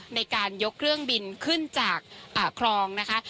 ในการยกเครื่องบินขึ้นจากคลองนะคะ